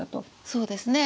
そうですね。